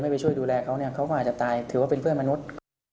ไปช่วยดูแลเขาเนี่ยเขาก็อาจจะตายถือว่าเป็นเพื่อนมนุษย์